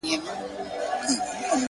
زه،